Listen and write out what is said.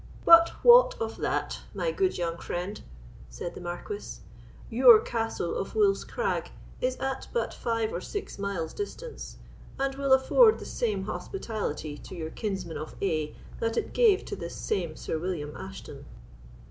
"But what of that, my good young friend?" said the Marquis. "Your Castle of Wolf's Crag is at but five or six miles' distance, and will afford the same hospitality to your kinsman of A——that it gave to this same Sir William Ashton."